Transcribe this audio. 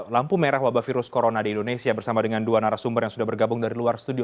lampu merah wabah virus corona di indonesia bersama dengan dua narasumber yang sudah bergabung dari luar studio